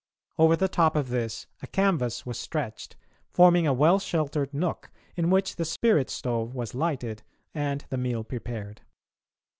Over the top of this a canvas was stretched, forming a well sheltered nook, in which the spirit stove was lighted and the meal prepared.